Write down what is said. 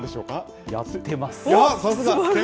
さすが。